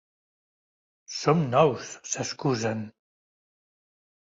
Som nous —s'excusen—.